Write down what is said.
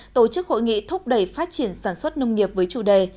tổ chức hội nghị thúc đẩy phát triển sản xuất nông nghiệp với chủ đề